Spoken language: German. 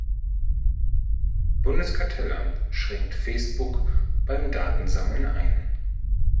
Bundeskartellamt schränkt Facebook beim Datensammeln ein.